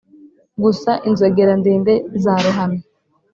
gusa inzogera ndende zarohamye